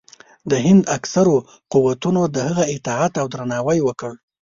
د هند اکثرو قوتونو د هغه اطاعت او درناوی وکړ.